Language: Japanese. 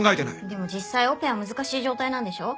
でも実際オペは難しい状態なんでしょ？